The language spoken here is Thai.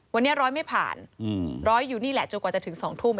วันนี้ร้อยไม่ผ่านร้อยอยู่นี่แหละจนกว่าจะถึง๒ทุ่ม